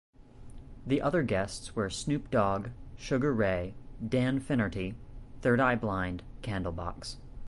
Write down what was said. The other guests were Snoop Dogg, Sugar Ray, Dan Finnerty, Third Eye Blind, Candlebox.